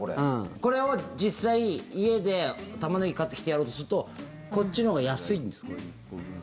これは実際、家でタマネギ買ってきてやろうとするとこっちのほうが安いんですか？